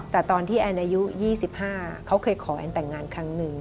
แต่ตอนที่แอนอายุ๒๕เขาเคยขอแอนแต่งงานครั้งหนึ่ง